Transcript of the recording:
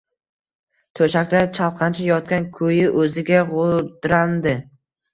To‘shakda chalqancha yotgan ko‘yi o‘ziga g‘udrandi